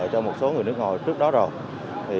cho một số người nước ngoài trước đó rồi